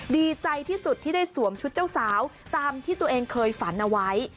ดีใจที่สุดที่ได้สวมชุดเจ้าสาวตามที่ตัวเองเคยฝันเอาไว้